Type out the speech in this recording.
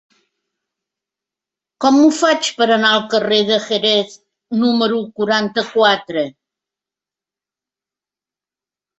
Com ho faig per anar al carrer de Jerez número quaranta-quatre?